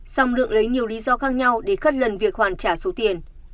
xong lượng lấy nhiều lý do khác nhau để khất lần việc hoàn trả số tiền